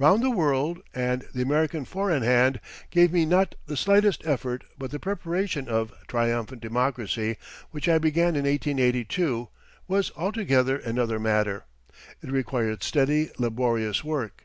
"Round the World" and the "American Four in Hand" gave me not the slightest effort but the preparation of "Triumphant Democracy," which I began in 1882, was altogether another matter. It required steady, laborious work.